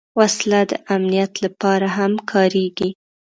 وسله د امنیت لپاره هم کارېږي